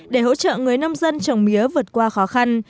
để hỗ trợ người nông dân trồng mía vượt qua khó khăn